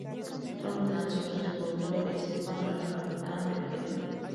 Tromp lanzó tres brulotes contra la capitana de Oquendo.